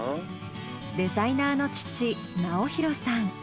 デザイナーの父直博さん。